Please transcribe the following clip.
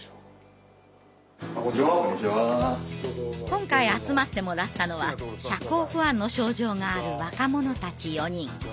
今回集まってもらったのは社交不安の症状がある若者たち４人。